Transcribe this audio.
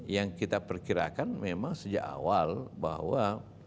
yang kita perkirakan memang sejak awal bahwa